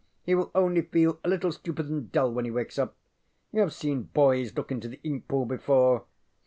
He will only feel a little stupid and dull when he wakes up. You have seen boys look into the ink pool before.